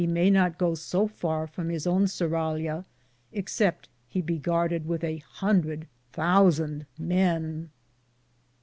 6 1 may not goo so farr from his owne Surralia, excepte he be garded with a hunreth thousande men.